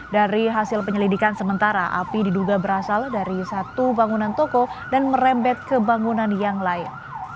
dari hasil penyelidikan sementara api diduga berasal dari satu bangunan toko dan merembet ke bangunan yang lain